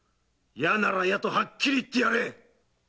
いやならいやとはっきり言ってやれ！